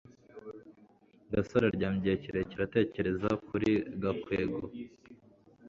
gasore aryamye igihe kirekire atekereza kuri gakwego